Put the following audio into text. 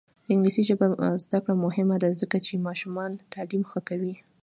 د انګلیسي ژبې زده کړه مهمه ده ځکه چې ماشومانو تعلیم ښه کوي.